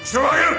はい！